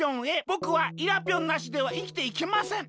ぼくはイラぴょんなしではいきていけません。